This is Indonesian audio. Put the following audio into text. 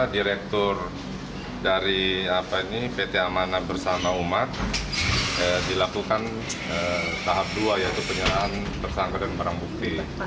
direktur dari pt amanah bersama umat dilakukan tahap dua yaitu penyerahan tersangka dan barang bukti